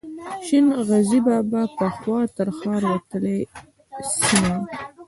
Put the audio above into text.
شین غزي بابا پخوا تر ښار وتلې سیمه وه.